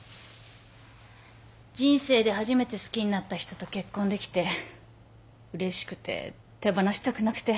人生で初めて好きになった人と結婚できてうれしくて手放したくなくて。